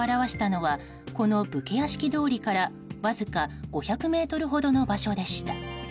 今月、クマが姿を現したのはこの武家屋敷通りからわずか５００ｍほどの場所でした。